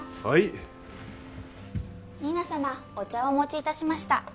はい新名様お茶をお持ちいたしました